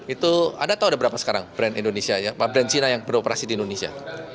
itu anda tahu berapa sekarang brand cina yang beroperasi di indonesia